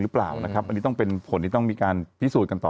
หรือเปล่านะครับอันนี้ต้องเป็นผลที่ต้องมีการพิสูจน์กันต่อ